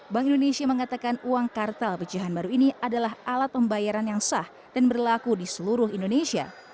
bank indonesia mengatakan uang kartal pecahan baru ini adalah alat pembayaran yang sah dan berlaku di seluruh indonesia